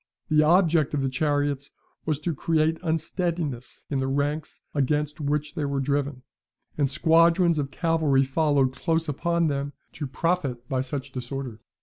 The object of the chariots was to create unsteadiness in the ranks against which they were driven, and squadrons of cavalry followed close upon them, to profit by such disorder.